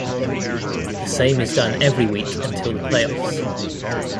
The same is done every week until the playoffs.